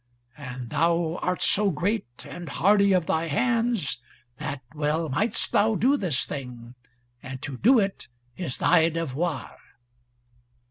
And thou art so great, and hardy of thy hands, that well mightst thou do this thing, and to do it is thy devoir."